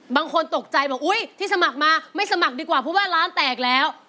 บางคนตกใจบอกอุ๊ยที่สมัครมาไม่สมัครดีกว่าเพราะว่าร้านแตกแล้ว